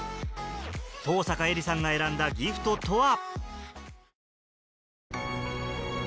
登坂絵莉さんが選んだギフトとは？